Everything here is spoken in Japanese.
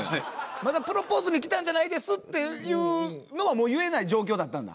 まだプロポーズに来たんじゃないですっていうのはもう言えない状況だったんだ。